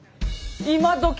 今どき